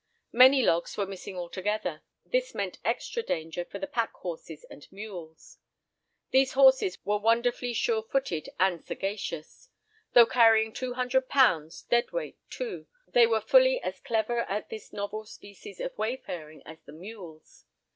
Many logs were missing altogether. This meant extra danger for the pack horses and mules. These horses were wonderfully sure footed and sagacious. Though carrying two hundred pounds (dead weight too) they were fully as clever at this novel species of wayfaring as the mules.